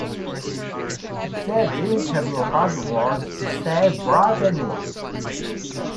They didn't have a bad word to say about anyone.